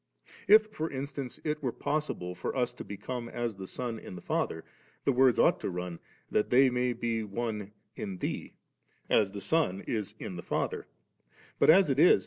If, for instance, it were possible for us to become as the Son in the Father, the words ought to run, *that they may be one in Thee,* as the Son is in the Father; but, as it is.